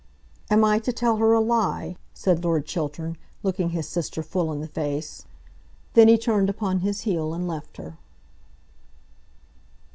"Am I to tell her a lie?" said Lord Chiltern, looking his sister full in the face. Then he turned upon his heel and left her.